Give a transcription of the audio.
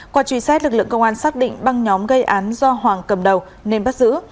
qua truy xét lực lượng công an xác định băng nhóm gây án do hoàng cầm đầu nên bắt giữ